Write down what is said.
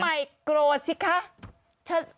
คนใหม่กรอสิก้า